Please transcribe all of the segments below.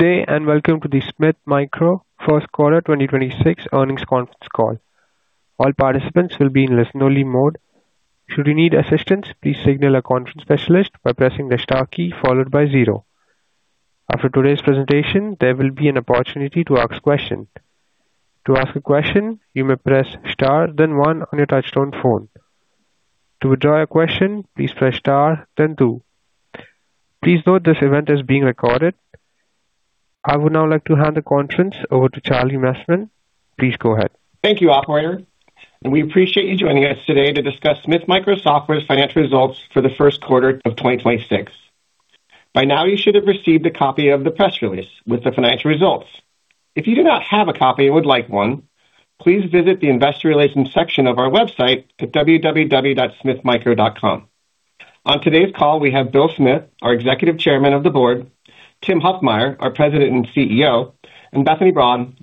Good day, and welcome to the Smith Micro First Quarter 2026 earnings conference call. All participants will be in listen-only mode. Should you need assistance, please signal a conference specialist by pressing the star key followed by zero. After today's presentation, there will be an opportunity to ask question. To ask a question you may press star then one on your touchtone phone. To withdraw a question, please press star then two. Please note this event is being recorded. I would now like to hand the conference over to Charles Messman. Please go ahead. Thank you, operator. We appreciate you joining us today to discuss Smith Micro Software's financial results for the first quarter of 2026. By now, you should have received a copy of the press release with the financial results. If you do not have a copy and would like one, please visit the investor relations section of our website at www.smithmicro.com. On today's call, we have Bill Smith, our Executive Chairman of the Board, Tim Huffmyer, our President and CEO, and Bethany Braund,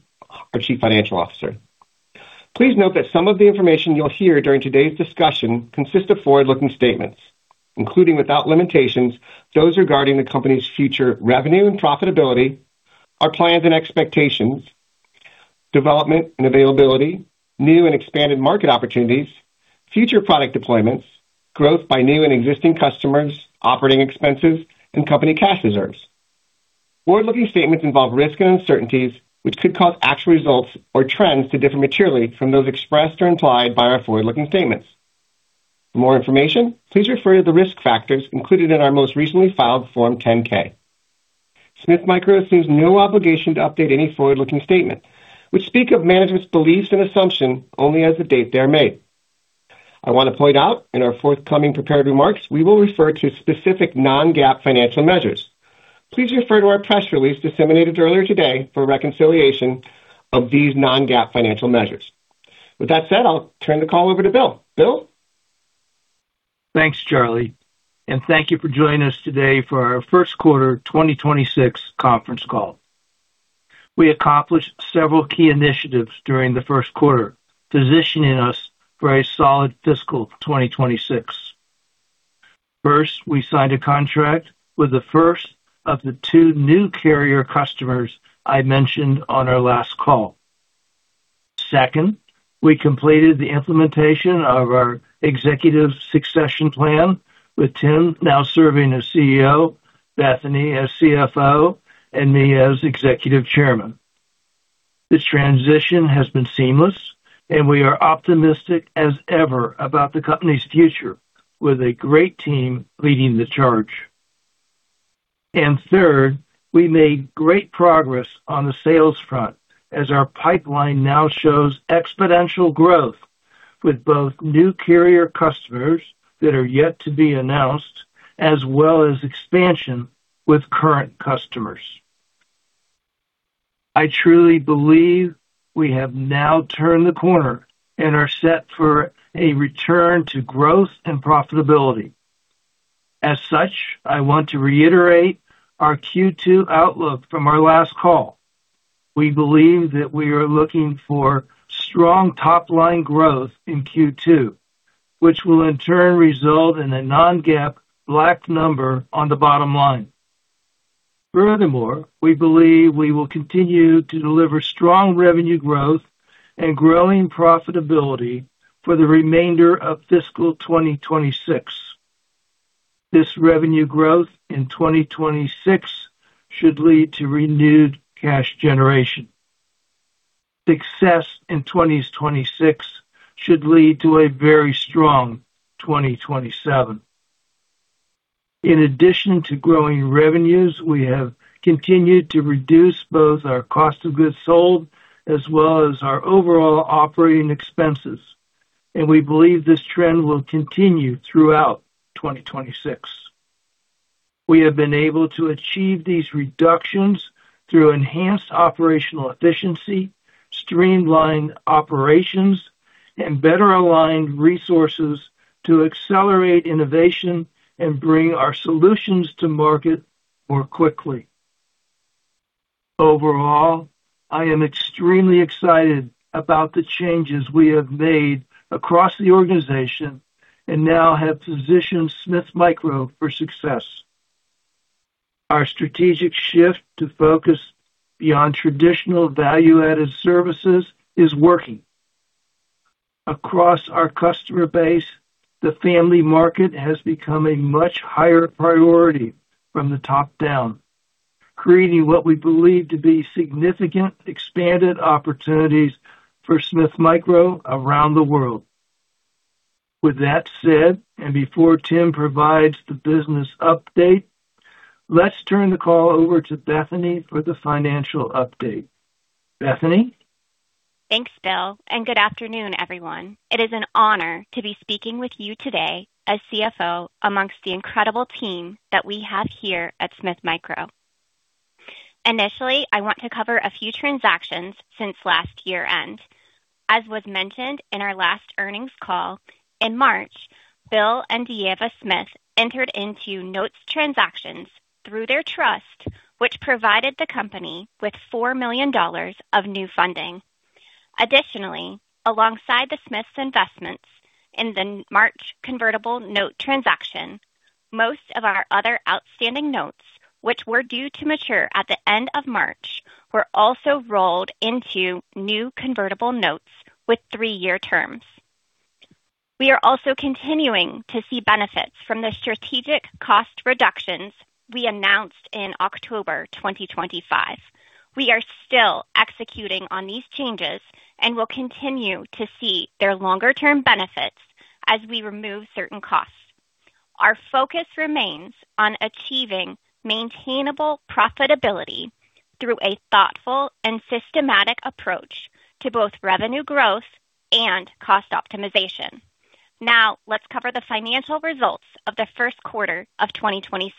our Chief Financial Officer. Please note that some of the information you'll hear during today's discussion consists of forward-looking statements, including without limitations, those regarding the company's future revenue and profitability, our plans and expectations, development and availability, new and expanded market opportunities, future product deployments, growth by new and existing customers, operating expenses, and company cash reserves. Forward-looking statements involve risks and uncertainties, which could cause actual results or trends to differ materially from those expressed or implied by our forward-looking statements. For more information, please refer to the risk factors included in our most recently filed Form 10-K. Smith Micro assumes no obligation to update any forward-looking statement, which speak of management's beliefs and assumption only as the date they are made. I want to point out in our forthcoming prepared remarks, we will refer to specific non-GAAP financial measures. Please refer to our press release disseminated earlier today for reconciliation of these non-GAAP financial measures. With that said, I'll turn the call over to Bill. Bill? Thanks, Charlie, and thank you for joining us today for our first quarter 2026 conference call. We accomplished several key initiatives during the first quarter, positioning us for a solid fiscal 2026. First, we signed a contract with the first of the two new carrier customers I mentioned on our last call. Second, we completed the implementation of our executive succession plan, with Tim now serving as CEO, Bethany as CFO, and me as Executive Chairman. This transition has been seamless, and we are optimistic as ever about the company's future with a great team leading the charge. Third, we made great progress on the sales front as our pipeline now shows exponential growth with both new carrier customers that are yet to be announced, as well as expansion with current customers. I truly believe we have now turned the corner and are set for a return to growth and profitability. As such, I want to reiterate our Q2 outlook from our last call. We believe that we are looking for strong top-line growth in Q2, which will in turn result in a non-GAAP black number on the bottom line. Furthermore, we believe we will continue to deliver strong revenue growth and growing profitability for the remainder of fiscal 2026. This revenue growth in 2026 should lead to renewed cash generation. Success in 2026 should lead to a very strong 2027. In addition to growing revenues, we have continued to reduce both our cost of goods sold as well as our overall operating expenses, and we believe this trend will continue throughout 2026. We have been able to achieve these reductions through enhanced operational efficiency, streamlined operations, and better aligned resources to accelerate innovation and bring our solutions to market more quickly. Overall, I am extremely excited about the changes we have made across the organization and now have positioned Smith Micro for success. Our strategic shift to focus beyond traditional value-added services is working. Across our customer base, the family market has become a much higher priority from the top down, creating what we believe to be significant expanded opportunities for Smith Micro around the world. With that said, and before Tim provides the business update, let's turn the call over to Bethany for the financial update. Bethany? Thanks, Bill. Good afternoon, everyone. It is an honor to be speaking with you today as CFO amongst the incredible team that we have here at Smith Micro. Initially, I want to cover a few transactions since last year-end. As was mentioned in our last earnings call, in March, Bill and Dieva Smith entered into notes transactions through their trust, which provided the company with $4 million of new funding. Additionally, alongside the Smiths' investments in the March convertible note transaction, most of our other outstanding notes, which were due to mature at the end of March, were also rolled into new convertible notes with three-year terms. We are also continuing to see benefits from the strategic cost reductions we announced in October 2025. We are still executing on these changes and will continue to see their longer-term benefits as we remove certain costs. Our focus remains on achieving maintainable profitability through a thoughtful and systematic approach to both revenue growth and cost optimization. Now, let's cover the financial results of the first quarter of 2026.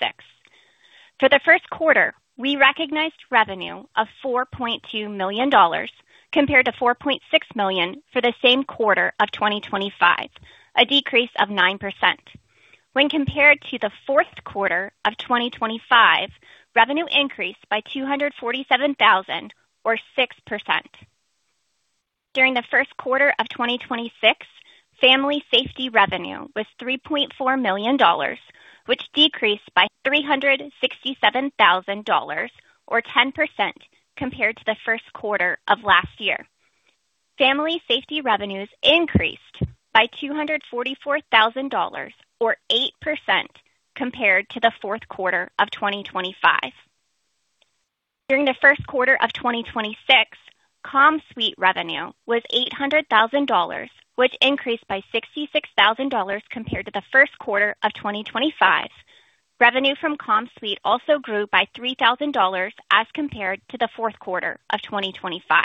For the first quarter, we recognized revenue of $4.2 million compared to $4.6 million for the same quarter of 2025, a decrease of 9%. When compared to the fourth quarter of 2025, revenue increased by $247,000 or 6%. During the first quarter of 2026, family safety revenue was $3.4 million, which decreased by $367,000 or 10% compared to the first quarter of last year. Family safety revenues increased by $244,000 or 8% compared to the fourth quarter of 2025. During the first quarter of 2026, CommSuite revenue was $800,000, which increased by $66,000 compared to the first quarter of 2025. Revenue from CommSuite also grew by $3,000 as compared to the fourth quarter of 2025.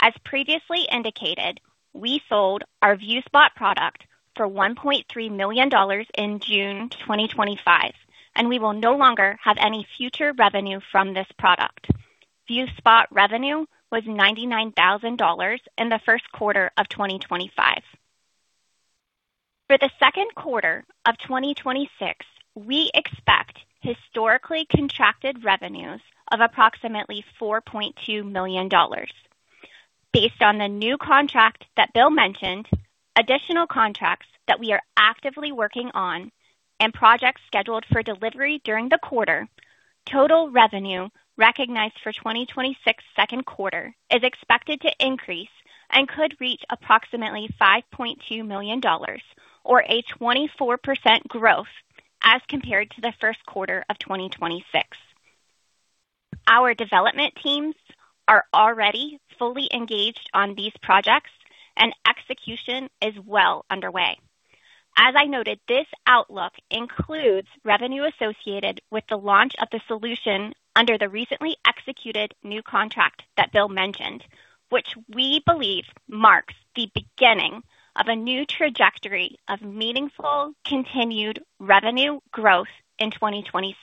As previously indicated, we sold our ViewSpot product for $1.3 million in June 2025, and we will no longer have any future revenue from this product. ViewSpot revenue was $99,000 in the first quarter of 2025. For the second quarter of 2026, we expect historically contracted revenues of approximately $4.2 million. Based on the new contract that Bill mentioned, additional contracts that we are actively working on and projects scheduled for delivery during the quarter, total revenue recognized for 2026 second quarter is expected to increase and could reach approximately $5.2 million or a 24% growth as compared to the first quarter of 2026. Our development teams are already fully engaged on these projects and execution is well underway. As I noted, this outlook includes revenue associated with the launch of the solution under the recently executed new contract that Bill mentioned, which we believe marks the beginning of a new trajectory of meaningful continued revenue growth in 2026.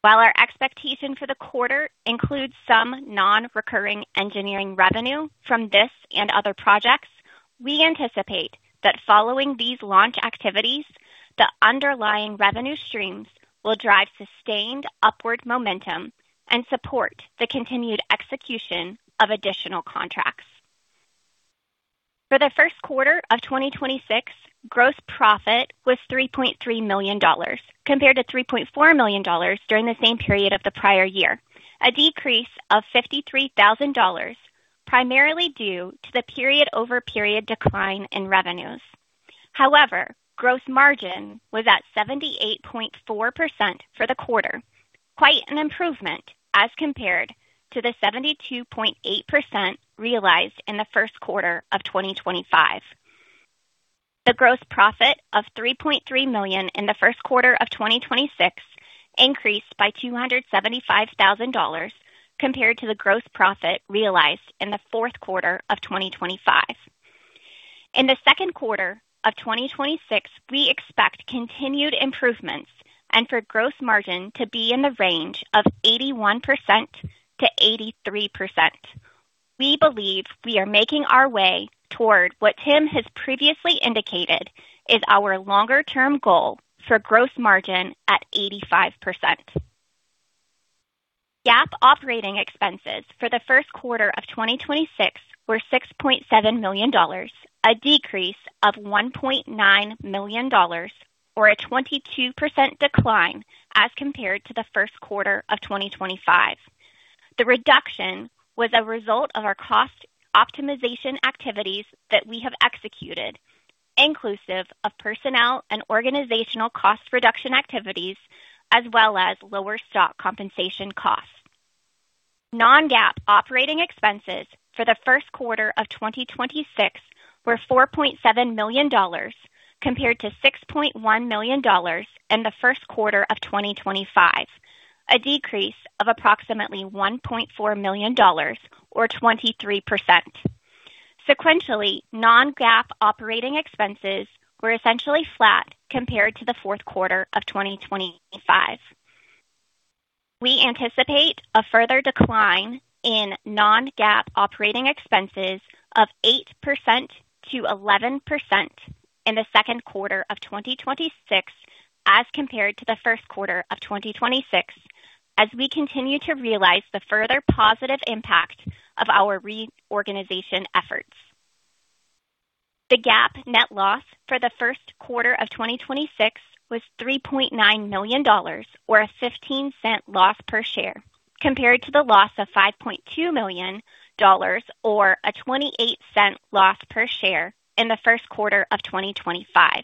While our expectation for the quarter includes some non-recurring engineering revenue from this and other projects, we anticipate that following these launch activities, the underlying revenue streams will drive sustained upward momentum and support the continued execution of additional contracts. For the first quarter of 2026, gross profit was $3.3 million compared to $3.4 million during the same period of the prior year, a decrease of $53,000 primarily due to the period-over-period decline in revenues. However, gross margin was at 78.4% for the quarter. Quite an improvement as compared to the 72.8% realized in the first quarter of 2025. The gross profit of $3.3 million in the first quarter of 2026 increased by $275,000 compared to the gross profit realized in the fourth quarter of 2025. In the second quarter of 2026, we expect continued improvements and for gross margin to be in the range of 81%-83%. We believe we are making our way toward what Tim has previously indicated is our longer term goal for gross margin at 85%. GAAP operating expenses for the first quarter of 2026 were $6.7 million, a decrease of $1.9 million or a 22% decline as compared to the first quarter of 2025. The reduction was a result of our cost optimization activities that we have executed, inclusive of personnel and organizational cost reduction activities as well as lower stock compensation costs. Non-GAAP operating expenses for the first quarter of 2026 were $4.7 million compared to $6.1 million in the first quarter of 2025, a decrease of approximately $1.4 million or 23%. Sequentially, non-GAAP operating expenses were essentially flat compared to the fourth quarter of 2025. We anticipate a further decline in non-GAAP operating expenses of 8%-11% in the second quarter of 2026 as compared to the first quarter of 2026, as we continue to realize the further positive impact of our reorganization efforts. The GAAP net loss for the first quarter of 2026 was $3.9 million, or a $0.15 loss per share, compared to the loss of $5.2 million, or a $0.28 loss per share in the first quarter of 2025.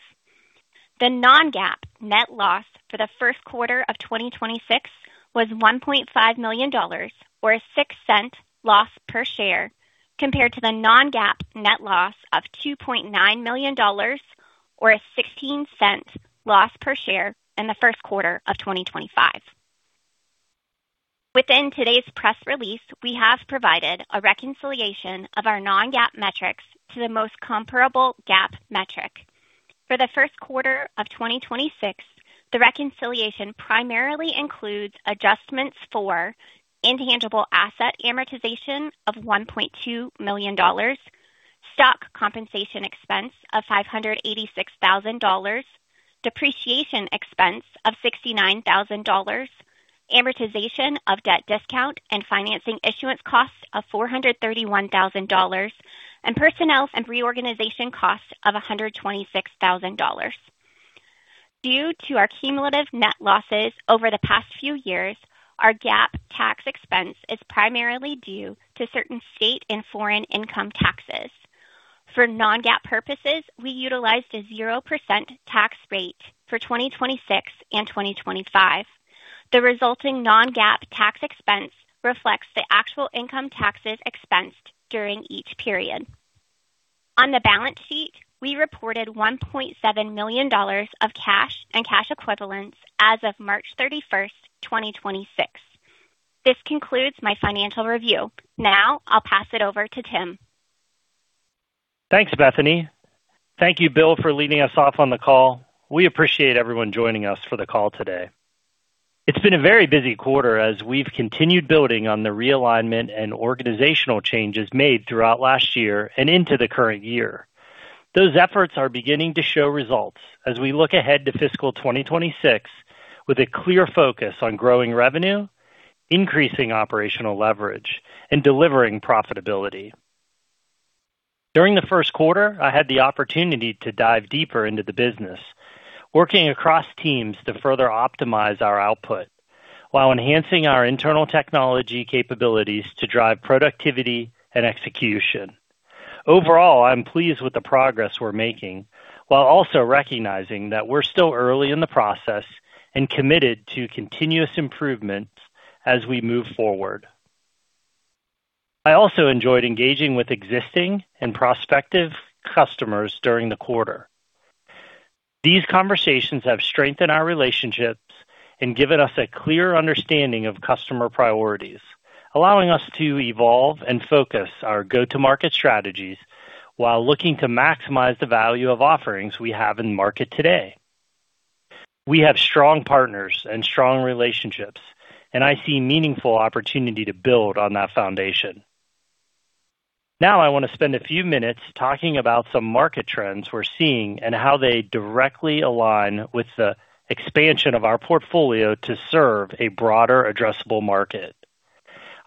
The non-GAAP net loss for the first quarter of 2026 was $1.5 million, or a $0.06 loss per share, compared to the non-GAAP net loss of $2.9 million, or a $0.16 loss per share in the first quarter of 2025. Within today's press release, we have provided a reconciliation of our non-GAAP metrics to the most comparable GAAP metric. For the first quarter of 2026, the reconciliation primarily includes adjustments for intangible asset amortization of $1.2 million, stock compensation expense of $586,000, depreciation expense of $69,000, amortization of debt discount and financing issuance costs of $431,000, and personnel and reorganization costs of $126,000. Due to our cumulative net losses over the past few years, our GAAP tax expense is primarily due to certain state and foreign income taxes. For non-GAAP purposes, we utilized a 0% tax rate for 2026 and 2025. The resulting non-GAAP tax expense reflects the actual income taxes expensed during each period. On the balance sheet, we reported $1.7 million of cash and cash equivalents as of March 31, 2026. This concludes my financial review. Now I'll pass it over to Tim. Thanks, Bethany. Thank you, Bill, for leading us off on the call. We appreciate everyone joining us for the call today. It's been a very busy quarter as we've continued building on the realignment and organizational changes made throughout last year and into the current year. Those efforts are beginning to show results as we look ahead to fiscal 2026 with a clear focus on growing revenue, increasing operational leverage, and delivering profitability. During the first quarter, I had the opportunity to dive deeper into the business, working across teams to further optimize our output while enhancing our internal technology capabilities to drive productivity and execution. Overall, I'm pleased with the progress we're making, while also recognizing that we're still early in the process and committed to continuous improvement as we move forward. I also enjoyed engaging with existing and prospective customers during the quarter. These conversations have strengthened our relationships and given us a clear understanding of customer priorities, allowing us to evolve and focus our go-to-market strategies while looking to maximize the value of offerings we have in market today. We have strong partners and strong relationships, and I see meaningful opportunity to build on that foundation. Now, I want to spend a few minutes talking about some market trends we're seeing and how they directly align with the expansion of our portfolio to serve a broader addressable market.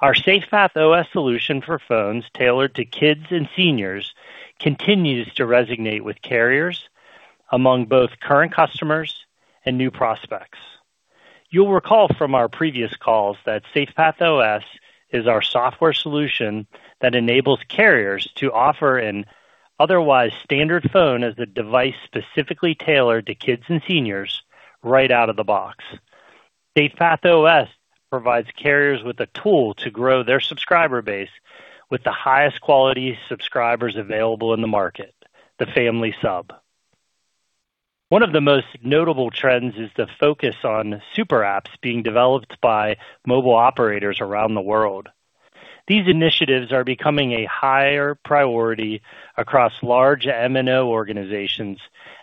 Our SafePath OS solution for phones tailored to kids and seniors continues to resonate with carriers among both current customers and new prospects. You'll recall from our previous calls that SafePath OS is our software solution that enables carriers to offer an otherwise standard phone as a device specifically tailored to kids and seniors right out of the box. SafePath OS provides carriers with a tool to grow their subscriber base with the highest quality subscribers available in the market, the family sub. One of the most notable trends is the focus on super apps being developed by mobile operators around the world. These initiatives are becoming a higher priority across large MNO organizations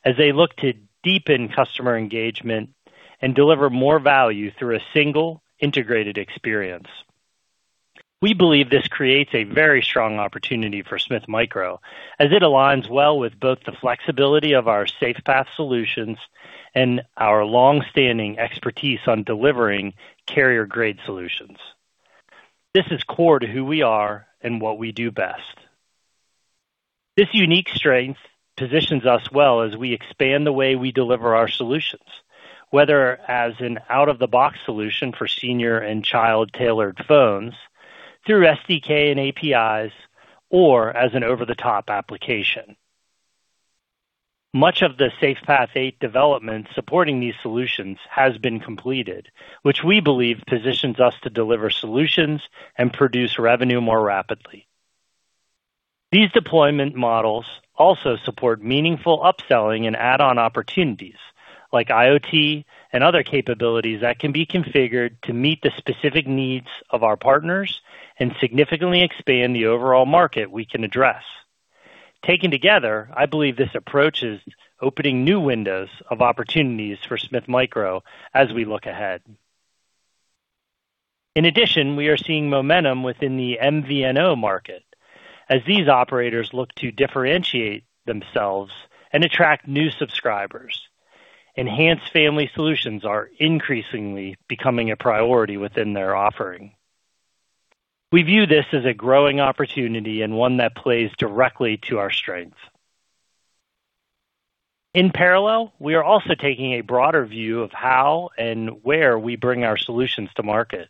as they look to deepen customer engagement and deliver more value through a single integrated experience. We believe this creates a very strong opportunity for Smith Micro as it aligns well with both the flexibility of our SafePath solutions and our long-standing expertise on delivering carrier-grade solutions. This is core to who we are and what we do best. This unique strength positions us well as we expand the way we deliver our solutions, whether as an out-of-the-box solution for senior and child-tailored phones through SDK and APIs, or as an over-the-top application. Much of the SafePath 8 development supporting these solutions has been completed, which we believe positions us to deliver solutions and produce revenue more rapidly. These deployment models also support meaningful upselling and add-on opportunities like IoT and other capabilities that can be configured to meet the specific needs of our partners and significantly expand the overall market we can address. Taken together, I believe this approach is opening new windows of opportunities for Smith Micro as we look ahead. In addition, we are seeing momentum within the MVNO market. As these operators look to differentiate themselves and attract new subscribers, enhanced family solutions are increasingly becoming a priority within their offering. We view this as a growing opportunity and one that plays directly to our strengths. In parallel, we are also taking a broader view of how and where we bring our solutions to market.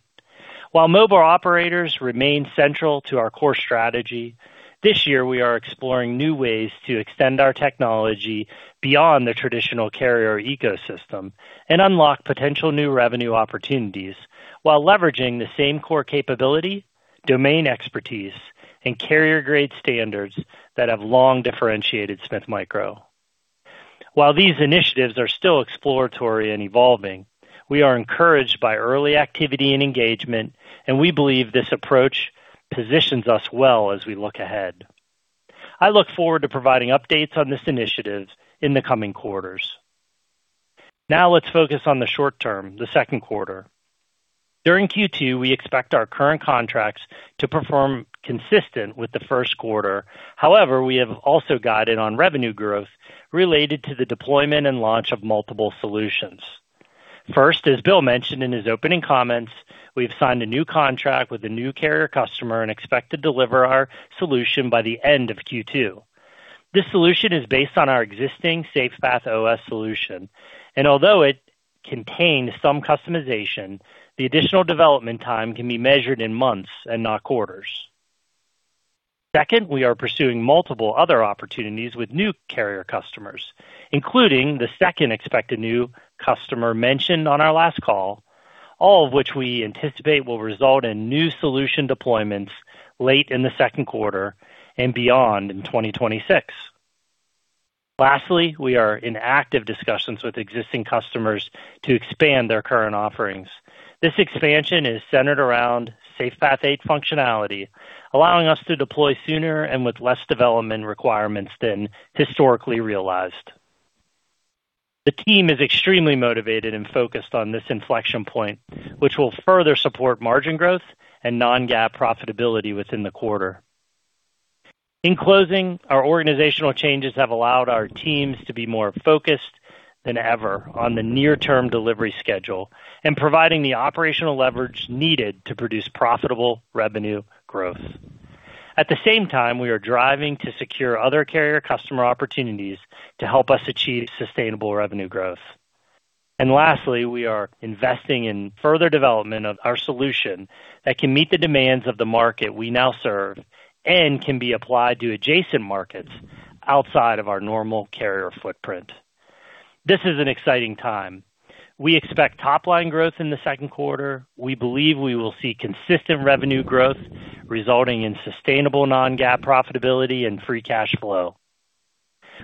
While mobile operators remain central to our core strategy, this year we are exploring new ways to extend our technology beyond the traditional carrier ecosystem and unlock potential new revenue opportunities while leveraging the same core capability, domain expertise, and carrier-grade standards that have long differentiated Smith Micro. While these initiatives are still exploratory and evolving, we are encouraged by early activity and engagement, and we believe this approach positions us well as we look ahead. I look forward to providing updates on this initiative in the coming quarters. Now let's focus on the short term, the second quarter. During Q2, we expect our current contracts to perform consistent with the first quarter. However, we have also guided on revenue growth related to the deployment and launch of multiple solutions. As Bill mentioned in his opening comments, we've signed a new contract with a new carrier customer and expect to deliver our solution by the end of Q2. This solution is based on our existing SafePath OS solution, and although it contains some customization, the additional development time can be measured in months and not quarters. We are pursuing multiple other opportunities with new carrier customers, including the second expected new customer mentioned on our last call, all of which we anticipate will result in new solution deployments late in the second quarter and beyond in 2026. We are in active discussions with existing customers to expand their current offerings. This expansion is centered around SafePath 8 functionality, allowing us to deploy sooner and with less development requirements than historically realized. The team is extremely motivated and focused on this inflection point, which will further support margin growth and non-GAAP profitability within the quarter. In closing, our organizational changes have allowed our teams to be more focused than ever on the near-term delivery schedule and providing the operational leverage needed to produce profitable revenue growth. At the same time, we are driving to secure other carrier customer opportunities to help us achieve sustainable revenue growth. Lastly, we are investing in further development of our solution that can meet the demands of the market we now serve and can be applied to adjacent markets outside of our normal carrier footprint. This is an exciting time. We expect top-line growth in the second quarter. We believe we will see consistent revenue growth resulting in sustainable non-GAAP profitability and free cash flow.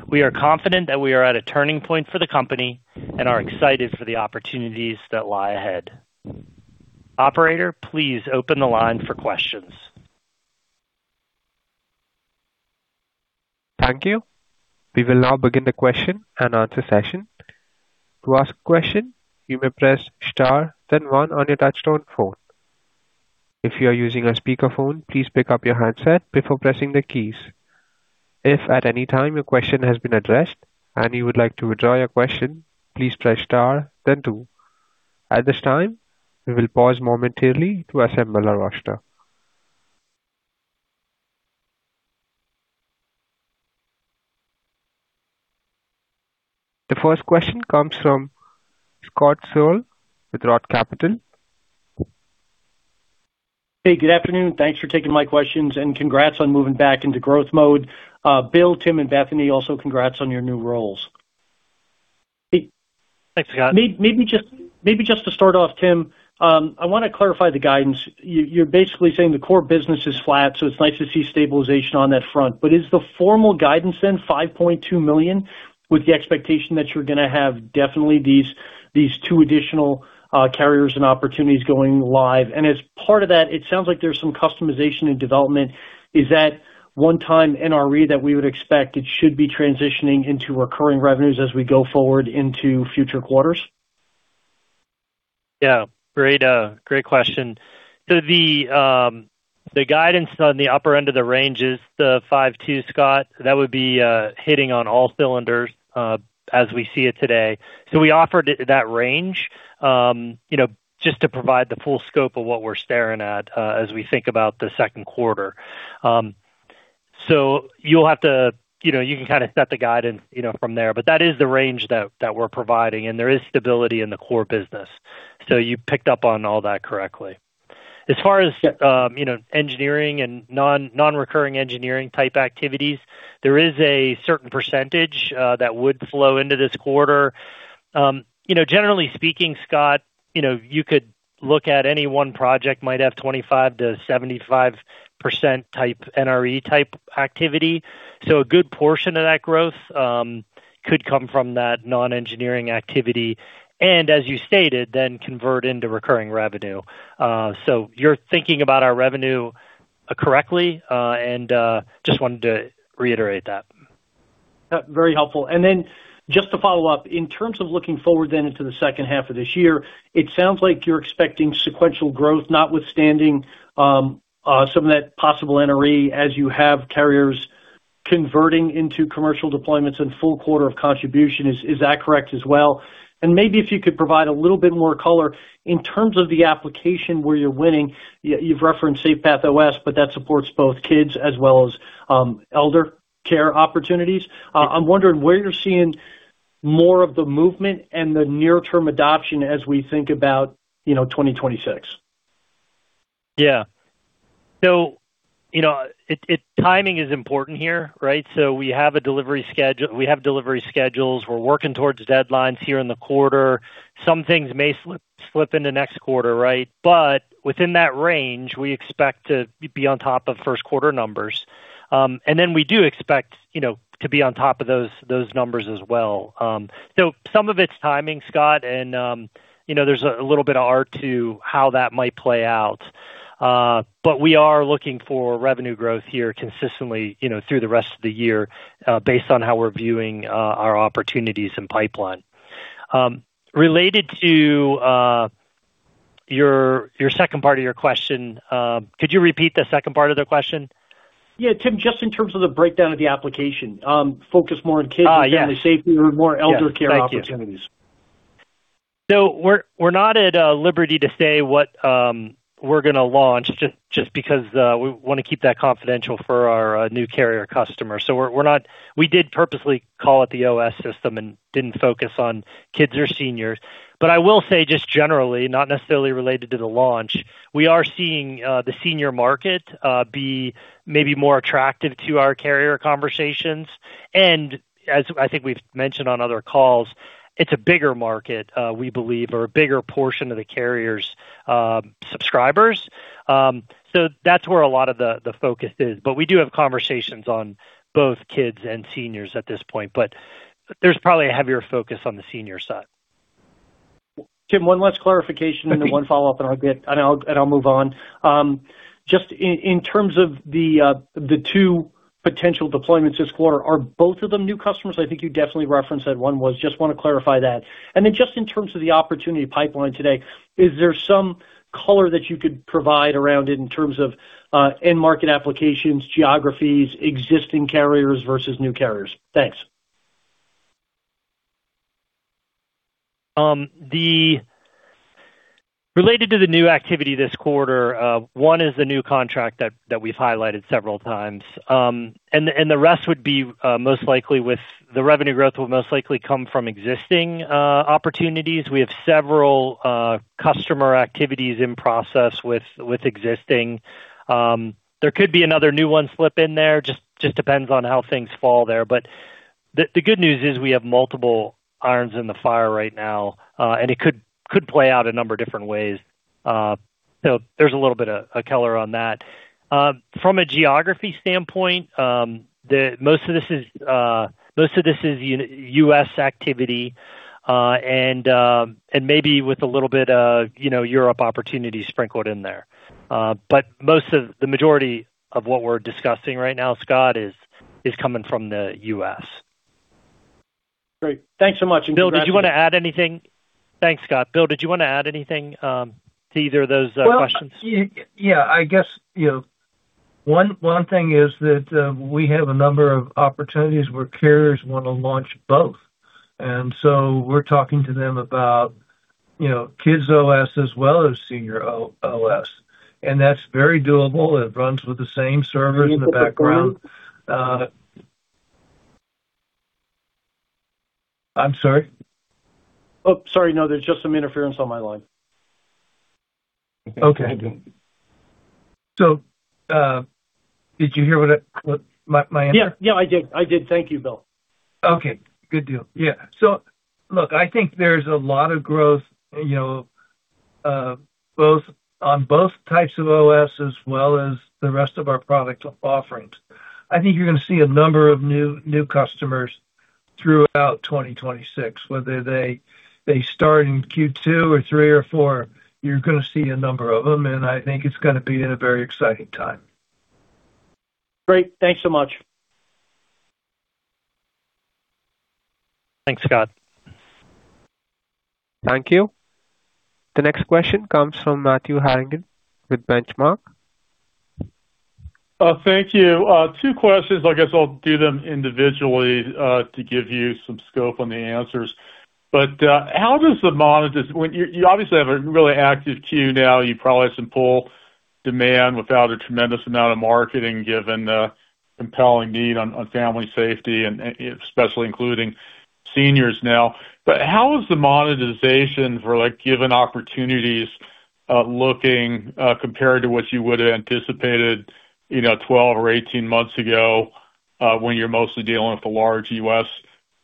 We are confident that we are at a turning point for the company and are excited for the opportunities that lie ahead. Operator, please open the line for questions. Thank you. We will now begin the question-and-answer session. To ask a question, you may press star then one on your touchtone phone. If you are using a speakerphone, please pick up your handset before pressing the keys. If at any time your question has been addressed and you would like to withdraw your question, please press star then two. At this time, we will pause momentarily to assemble our roster. The first question comes from Scott Searle with Roth Capital Partners. Hey, good afternoon. Thanks for taking my questions, and congrats on moving back into growth mode. Bill, Tim, and Bethany, also congrats on your new roles. Thanks, Scott. Maybe just to start off, Tim, I want to clarify the guidance. You're basically saying the core business is flat, so it's nice to see stabilization on that front. Is the formal guidance then $5.2 million with the expectation that you're going to have definitely these two additional carriers and opportunities going live? As part of that, it sounds like there's some customization and development. Is that one time NRE that we would expect it should be transitioning into recurring revenues as we go forward into future quarters? Yeah, great question. The guidance on the upper end of the range is the $5.2, Scott. That would be hitting on all cylinders as we see it today. We offered it that range, you know, just to provide the full scope of what we're staring at as we think about the second quarter. You know, you can kind of set the guidance, you know, from there. That is the range that we're providing, and there is stability in the core business. You picked up on all that correctly. As far as, you know, engineering and non-recurring engineering type activities, there is a certain percentage that would flow into this quarter. You know, generally speaking, Scott, you know, you could look at any one project might have 25%-75% type NRE type activity. A good portion of that growth could come from that non-engineering activity and, as you stated, then convert into recurring revenue. You're thinking about our revenue correctly, and just wanted to reiterate that. Very helpful. Just to follow up, in terms of looking forward then into the second half of this year, it sounds like you're expecting sequential growth notwithstanding some of that possible NRE as you have carriers converting into commercial deployments in full quarter of contribution. Is that correct as well? Maybe if you could provide a little bit more color in terms of the application where you're winning. You've referenced SafePath OS, but that supports both kids as well as elder care opportunities. I'm wondering where you're seeing more of the movement and the near-term adoption as we think about, you know, 2026. You know, timing is important here, right? We have delivery schedules. We're working towards deadlines here in the quarter. Some things may slip into next quarter, right? Within that range, we expect to be on top of first quarter numbers. We do expect, you know, to be on top of those numbers as well. Some of its timing, Scott, you know, there's a little bit of art to how that might play out. We are looking for revenue growth here consistently, you know, through the rest of the year, based on how we're viewing our opportunities and pipeline. Related to your second part of your question, could you repeat the second part of the question? Yeah. Tim, just in terms of the breakdown of the application, focus more on kids- Yeah.... and family safety or more elder care- Yes. Thank you... opportunities. We're not at liberty to say what we're gonna launch just because we wanna keep that confidential for our new carrier customer. We did purposely call it the OS system and didn't focus on kids or seniors. I will say just generally, not necessarily related to the launch, we are seeing the senior market be maybe more attractive to our carrier conversations. As I think we've mentioned on other calls, it's a bigger market, we believe are a bigger portion of the carrier's subscribers. That's where a lot of the focus is. We do have conversations on both kids and seniors at this point, but there's probably a heavier focus on the senior side. Tim, one last clarification. Okay One follow-up, and I'll move on. Just in terms of the two potential deployments this quarter, are both of them new customers? I think you definitely referenced that one was. Just wanna clarify that. Just in terms of the opportunity pipeline today, is there some color that you could provide around it in terms of end market applications, geographies, existing carriers versus new carriers? Thanks. Related to the new activity this quarter, one is the new contract that we've highlighted several times. The rest would be most likely. The revenue growth will most likely come from existing opportunities. We have several customer activities in process with existing. There could be another new one slip in there, just depends on how things fall there. The good news is we have multiple irons in the fire right now, and it could play out a number of different ways. There's a little bit of color on that. From a geography standpoint, most of this is U.S. activity, and maybe with a little bit of, you know, Europe opportunities sprinkled in there. Most of the majority of what we're discussing right now, Scott, is coming from the U.S. Great. Thanks so much. Good luck. Bill, did you wanna add anything? Thanks, Scott. Bill, did you wanna add anything to either of those questions? I guess, you know, one thing is that we have a number of opportunities where carriers wanna launch both, and so we're talking to them about, you know, kids OS as well as senior OS, and that's very doable. It runs with the same servers in the background. I'm sorry? Oh, sorry. No, there's just some interference on my line. Okay. Did you hear my answer? Yeah. Yeah, I did. I did. Thank you, Bill. Okay. Good deal. Yeah. Look, I think there's a lot of growth, you know, on both types of OS as well as the rest of our product offerings. I think you're gonna see a number of new customers throughout 2026, whether they start in Q2 or Q3 or Q4, you're gonna see a number of them, and I think it's gonna be a very exciting time. Great. Thanks so much. Thanks, Scott. Thank you. The next question comes from Matthew Harrigan with Benchmark. Thank you. Two questions. I guess I'll do them individually to give you some scope on the answers. Well, you obviously have a really active queue now. You probably have some full demand without a tremendous amount of marketing, given the compelling need on family safety and especially including seniors now. How is the monetization for, like, given opportunities looking compared to what you would have anticipated, you know, 12 or 18 months ago, when you're mostly dealing with the large U.S.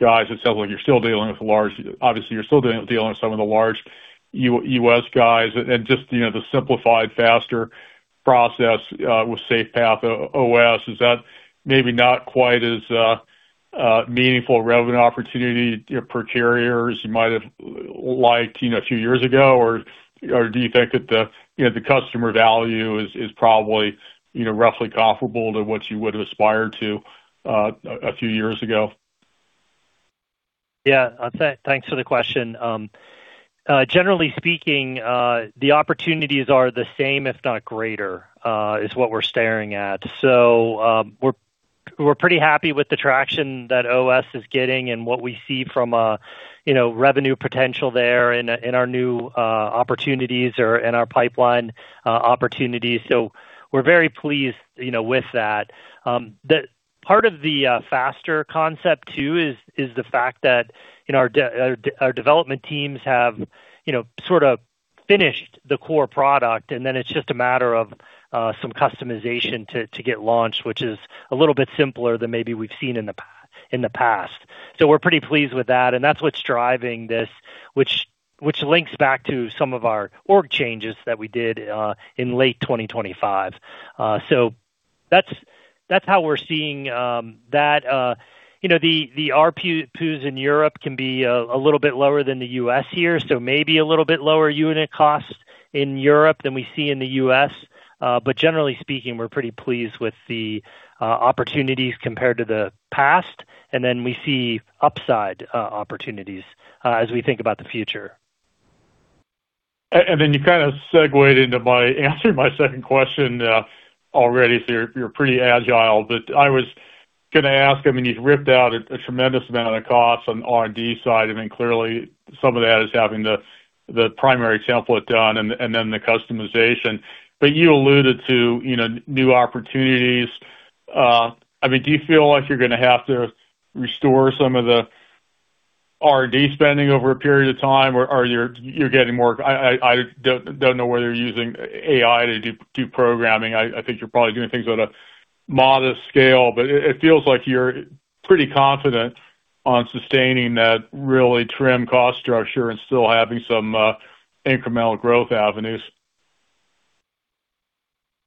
guys? It sounds like you're still dealing with. Obviously, you're still dealing with some of the large U.S. guys and just, you know, the simplified, faster process with SafePath OS. Is that maybe not quite as meaningful revenue opportunity, you know, for carriers you might have liked, you know, a few years ago? Or do you think that the, you know, the customer value is probably, you know, roughly comparable to what you would have aspired to a few years ago? Yeah. Thanks for the question. Generally speaking, the opportunities are the same, if not greater, is what we're staring at. We're pretty happy with the traction that OS is getting and what we see from, you know, revenue potential there in our new opportunities or in our pipeline opportunities. We're very pleased, you know, with that. Part of the faster concept too is the fact that, you know, our development teams have, you know, sort of finished the core product, and then it's just a matter of some customization to get launched, which is a little bit simpler than maybe we've seen in the past. We're pretty pleased with that, and that's what's driving this, which links back to some of our org changes that we did in late 2025. That's, that's how we're seeing that. You know, the RPUs in Europe can be a little bit lower than the U.S. here, so maybe a little bit lower unit cost in Europe than we see in the U.S. Generally speaking, we're pretty pleased with the opportunities compared to the past, and then we see upside opportunities as we think about the future. Then you kinda segued into my answering my second question already, so you're pretty agile. I was gonna ask, I mean, you've ripped out a tremendous amount of costs on the R&D side, and then clearly some of that is having the primary template done and then the customization. You alluded to, you know, new opportunities. I mean, do you feel like you're gonna have to restore some of the R&D spending over a period of time, or you're getting more. I don't know whether you're using AI to do programming. I think you're probably doing things at a modest scale. It feels like you're pretty confident on sustaining that really trim cost structure and still having some incremental growth avenues.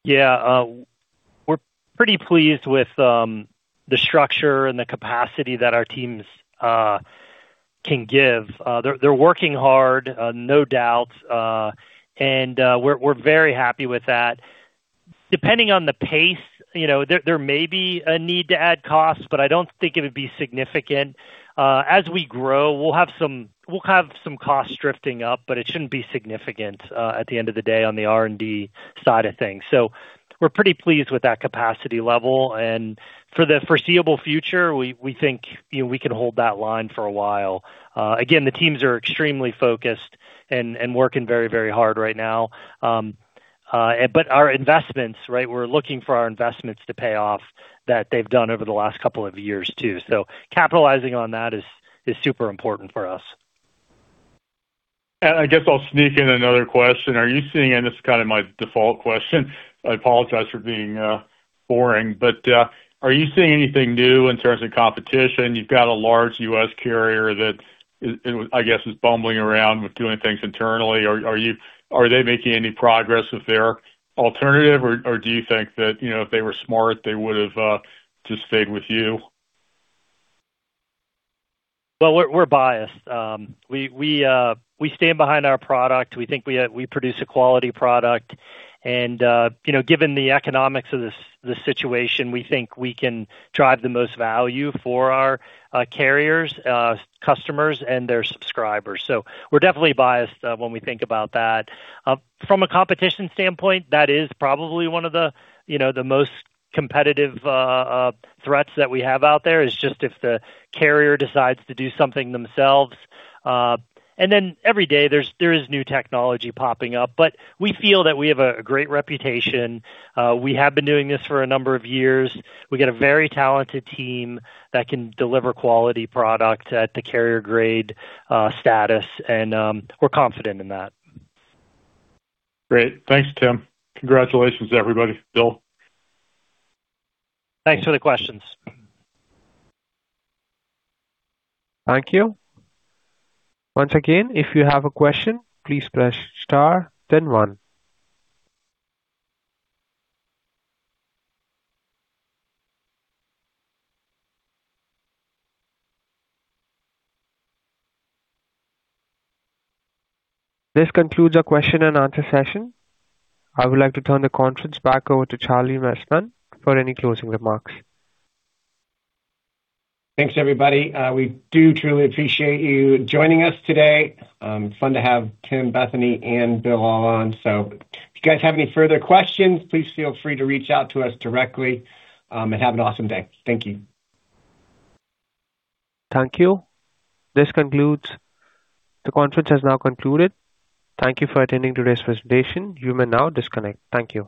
Yeah. We're pretty pleased with the structure and the capacity that our teams can give. They're working hard, no doubt. We're very happy with that. Depending on the pace, you know, there may be a need to add costs, but I don't think it would be significant. As we grow, we'll have some costs drifting up, but it shouldn't be significant at the end of the day on the R&D side of things. We're pretty pleased with that capacity level. For the foreseeable future, we think, you know, we can hold that line for a while. Again, the teams are extremely focused and working very hard right now. Our investments, right, we're looking for our investments to pay off that they've done over the last couple of years too. Capitalizing on that is super important for us. I guess I'll sneak in another question. Are you seeing anything new in terms of competition? You've got a large U.S. carrier that's, I guess is bumbling around with doing things internally. Are they making any progress with their alternative or do you think that, you know, if they were smart, they would've just stayed with you? We're biased. We stand behind our product. We think we produce a quality product. You know, given the economics of this situation, we think we can drive the most value for our carriers, customers and their subscribers. We're definitely biased when we think about that. From a competition standpoint, that is probably one of the, you know, the most competitive threats that we have out there, is just if the carrier decides to do something themselves. Every day there is new technology popping up. We feel that we have a great reputation. We have been doing this for a number of years. We got a very talented team that can deliver quality product at the carrier grade status, and we're confident in that. Great. Thanks, Tim. Congratulations, everybody. Bill. Thanks for the questions. Thank you. Once again, if you have a question, please press star then one. This concludes our question-and-answer session. I would like to turn the conference back over to Charles Messman for any closing remarks. Thanks, everybody. We do truly appreciate you joining us today. Fun to have Tim, Bethany, and Bill all on. If you guys have any further questions, please feel free to reach out to us directly. Have an awesome day. Thank you. Thank you. The conference has now concluded. Thank you for attending today's presentation. You may now disconnect. Thank you.